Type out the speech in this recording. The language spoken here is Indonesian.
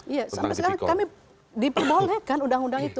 iya sampai sekarang kami diperbolehkan undang undang itu